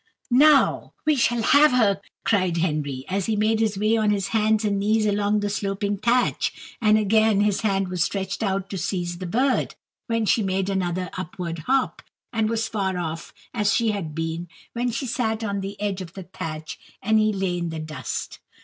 "Now we shall have her!" cried Henry, as he made his way on his hands and knees along the sloping thatch; and again his hand was stretched out to seize the bird, when she made another upward hop, and was as far off as she had been when she sat on the edge of the thatch and he lay in the dust.